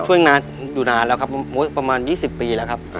ช่วยนานอยู่นานแล้วครับประมาณ๒๐ปีแล้วครับ